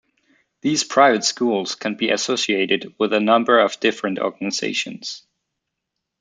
These private schools can be associated with a number of different organizations.